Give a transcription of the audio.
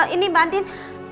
ini mbak andin